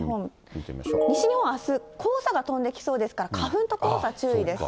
西日本、あす、黄砂が飛んできそうですから、花粉と黄砂注意です。